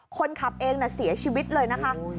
คนขับเองแหละเสียชีวิตเลยนะคะโ้ย